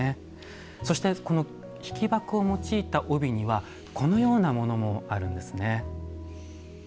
そしてこの引箔を用いた帯にはこのようなものもあるんですね。